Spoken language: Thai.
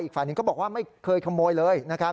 อีกฝ่ายหนึ่งก็บอกว่าไม่เคยขโมยเลย